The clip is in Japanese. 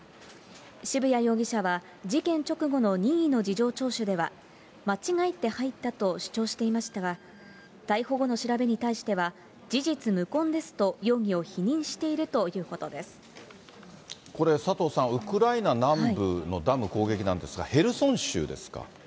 渋谷容疑者は、事件直後の任意の事情聴取では、間違って入ったと主張していましたが、逮捕後の調べに対しては、事実無根ですと、容疑を否認しているとこれ、佐藤さん、ウクライナ南部のダム攻撃なんですが、ヘルソン州ですか。